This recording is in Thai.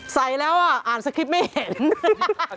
ใส่แล้วอ่ะอ่านสคริปต์ไม่เห็น